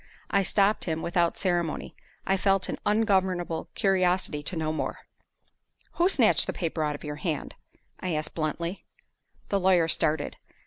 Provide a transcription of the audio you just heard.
I stopped him without ceremony; I felt an ungovernable curiosity to know more. "Who snatched the paper out of your hand?" I asked, bluntly. The lawyer started.